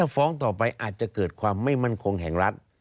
ฟ้องต่อไปอาจจะเกิดความไม่มั่นคงแห่งรัฐ